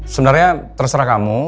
sebenarnya terserah kamu